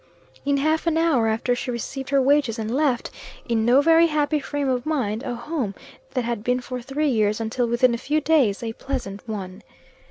In half an hour after she received her wages, and left, in no very happy frame of mind, a home that had been for three years, until within a few days, a pleasant one.